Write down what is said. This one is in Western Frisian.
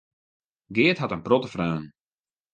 Geart hat in protte freonen.